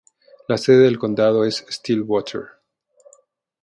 La sede del condado es Stillwater.